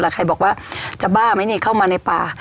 แล้วใครบอกว่าจะบ้าไหมนี่เข้ามาในป่า